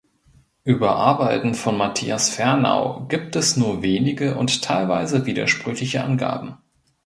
Über Arbeiten von Matthias Fernau gibt es nur wenige und teilweise widersprüchliche Angaben.